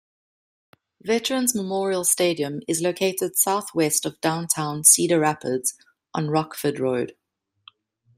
Veterans Memorial Stadium is located southwest of downtown Cedar Rapids on Rockford Road.